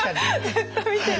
ずっと見てられる。